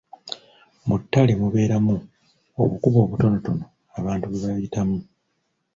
Mu ttale mubeeramu obukubo obutonotono abantu bwe bayitamu.